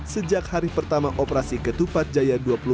sejak hari pertama operasi ketupat jaya dua puluh empat